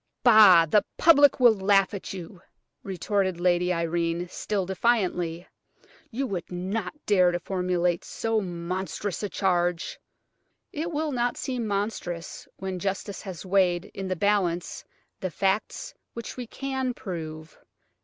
"Bah! the public will laugh at you!" retorted Lady Irene, still defiantly. "You would not dare to formulate so monstrous a charge!" "It will not seem monstrous when justice has weighed in the balance the facts which we can prove.